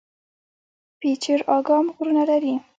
پچیر اګام غرونه لري؟